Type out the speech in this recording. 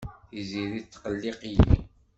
Tiziri tettqelliq-iyi.